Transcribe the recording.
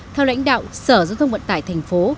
theo lãnh đạo sở giao thông vận tải thành phố